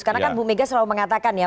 karena kan bu mega selalu mengatakan ya